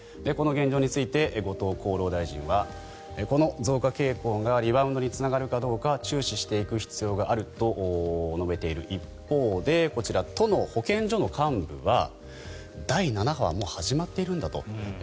この現状について後藤厚労大臣はこの増加傾向がリバウンドにつながるかどうか注視していく必要があると述べている一方でこちら、都の保健所の幹部は第７波はもう始まっているんだと。